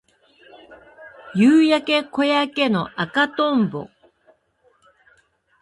夕焼け小焼けの赤とんぼ